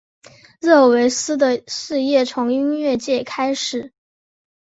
热维斯的事业从音乐界开始。